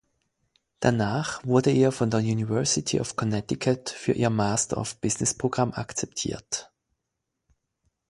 Danach wurde er von der University of Connecticut für ihr Master of Business-Programm akzeptiert.